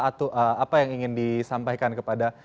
atau apa yang ingin disampaikan kepada